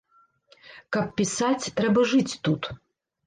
Каб пісаць, трэба жыць тут.